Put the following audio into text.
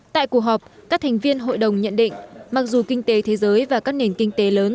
tại cuộc họp các thành viên hội đồng nhận định mặc dù kinh tế thế giới và các nền kinh tế lớn